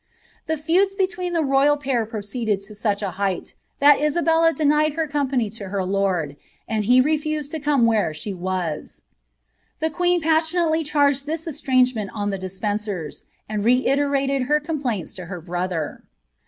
' The feuds between the royal pair proceeded to raeh a htifhl, ttnl Isabella denied her company to her lord,' and he refiis«l lo cuine wfcxr she was* The queen passionately char^ lliis eatno^nDent va ife Despencers, and reiterated her complaints to her broilier.